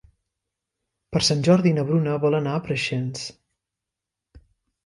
Per Sant Jordi na Bruna vol anar a Preixens.